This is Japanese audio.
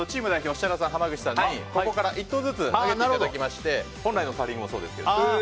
設楽さん、濱口さんにここから１投ずつ投げていただきまして本来のカーリングもそうですけど。